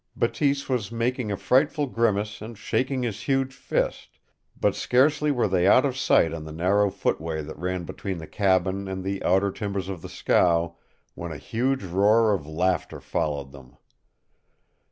Bateese was making a frightful grimace and shaking his huge fist, but scarcely were they out of sight on the narrow footway that ran between the cabin and the outer timbers of the scow when a huge roar of laughter followed them.